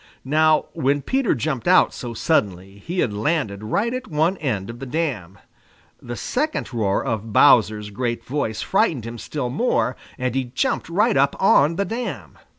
Now when Peter jumped out so suddenly, he had landed right at one end of the dam. The second roar of Bowser's great voice frightened him still more, and he jumped right up on the dam.